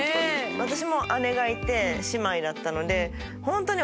私も姉がいて姉妹だったのでホントに。